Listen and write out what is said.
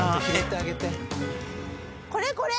これこれ。